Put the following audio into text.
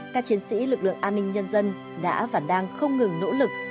các chiến sĩ lực lượng an ninh nhân dân đã và đang không ngừng nỗ lực